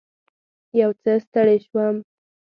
یو څه ستړې شوم.